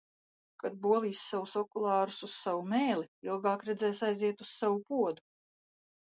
Kad bolīs savus okulārus uz savu mēli, ilgāk redzēs aiziet uz savu podu.